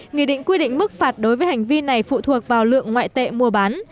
nghị định quy định mức phạt đối với hành vi này phụ thuộc vào lượng ngoại tệ mua bán